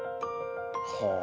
はあ。